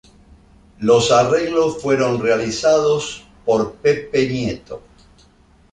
Los arreglos fueron realizados por Pepe Nieto.